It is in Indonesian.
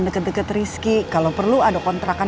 deket deket rizky kalau perlu ada kontrakan